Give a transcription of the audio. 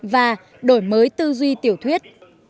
và đổi mới tư duy tiểu thuyết